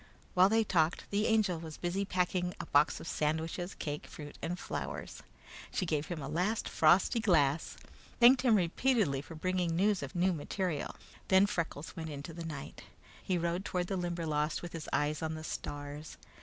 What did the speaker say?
While they talked, the Angel was busy packing a box of sandwiches, cake, fruit, and flowers. She gave him a last frosty glass, thanked him repeatedly for bringing news of new material; then Freckles went into the night. He rode toward the Limberlost with his eyes on the stars.